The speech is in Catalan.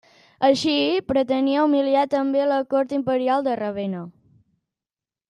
Així, pretenia humiliar també la cort imperial de Ravenna.